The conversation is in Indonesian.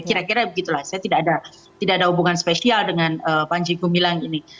kira kira begitulah saya tidak ada hubungan spesial dengan panji gumilang ini